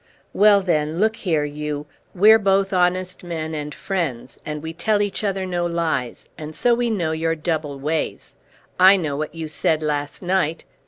"Well then, look here, you! We're both honest men, and friends, and we tell each other no lies; and so we know your double ways. I know what you said last night.